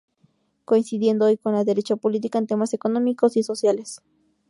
Coincidiendo hoy con la derecha política en temas económicos y sociales.